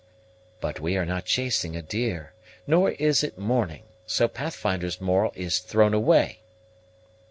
"But we are not chasing a deer, nor is it morning: so Pathfinder's moral is thrown away."